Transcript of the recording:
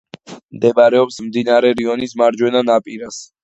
მდებარეობს მდინარე რიონის მარჯვენა ნაპირას.